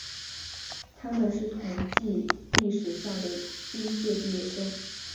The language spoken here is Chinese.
他们是同济历史上的第一届毕业生。